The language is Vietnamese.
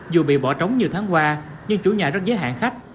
dù bị bỏ trống nhiều tháng qua nhưng chủ nhà rất giới hạn khách